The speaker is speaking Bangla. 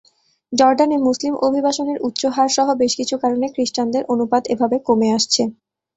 জর্ডানে মুসলিম অভিবাসনের উচ্চ হার সহ বেশ কিছু কারণে খ্রিস্টানদের অনুপাত এভাবে কমে আসছে।